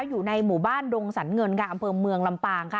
อยู่ในหมู่บ้านดงสรรเงินค่ะอำเภอเมืองลำปางค่ะ